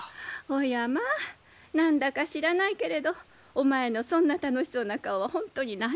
おやまあ何だか知らないけれどお前のそんな楽しそうな顔は本当に何十年ぶり。